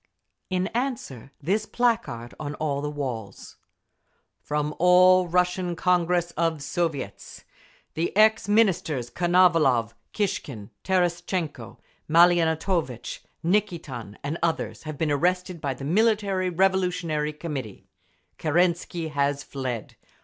In answer, this placard on all the walls: FROM THE ALL RUSSIAN CONGRESS OF SOVIETS "The ex Ministers Konovalov, Kishkin, Terestchenko, Maliantovitch, Nikitin and others have been arrested by the Military Revolutionary Committee. Kerensky has fled.